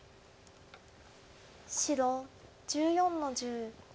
白１４の十。